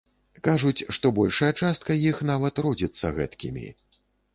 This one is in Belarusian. Кажуць, што большая частка іх нават родзіцца гэткімі.